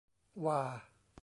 หว่า